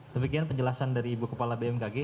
demikian penjelasan dari ibu kepala bmkg